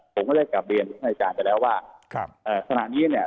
ผมก็เลยกลับเรียนภาคอาจารย์ไปแล้วว่าครับเอ่อสถานีเนี้ย